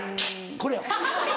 これや。